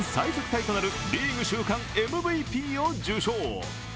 タイとなるリーグ週間ＭＶＰを受賞。